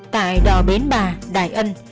tại đò bến ba đại ân